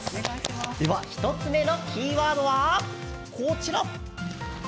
１つ目のキーワードはこちら！